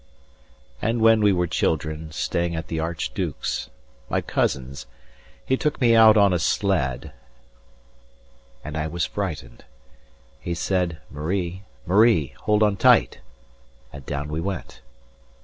And when we were children, staying at the archduke's, My cousin's, he took me out on a sled, And I was frightened. He said, Marie, 15 Marie, hold on tight. And down we went.